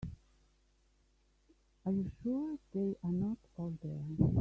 Are you sure they are not all there?